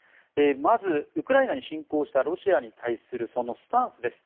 まず、ウクライナに侵攻したロシアに対するスタンスです。